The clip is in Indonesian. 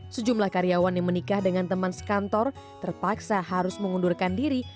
sejumlah karyawan yang menikah dengan teman sekantor terpaksa harus mengundurkan diri